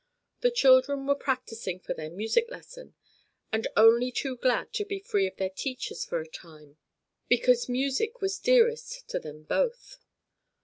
The children were practicing for their music lesson, and only too glad to be free of their teachers for a time, because music was dearest to them both.